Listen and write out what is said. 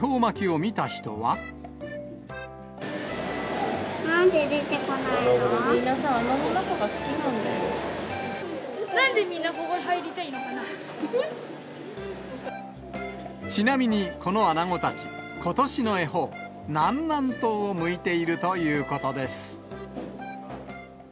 みんなさ、なんでみんなここに入りたいちなみに、このアナゴたち、ことしの恵方、南南東を向いているということです。